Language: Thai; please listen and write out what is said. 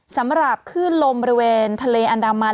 สำหรับคลื่นลมบริเวณทะเลอันดามัน